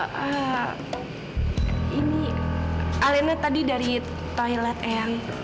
hmm ini elena tadi dari toilet eyang